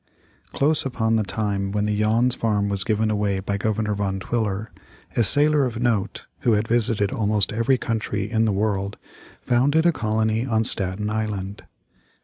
Close upon the time when the Jans farm was given away by Governor Van Twiller, a sailor of note, who had visited almost every country in the world, founded a colony on Staten Island.